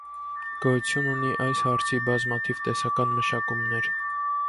Գոյություն ունի այս հարցի բազմաթիվ տեսական մշակումներ։